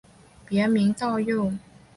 别名道佑。